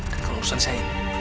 dan keurusan si ainun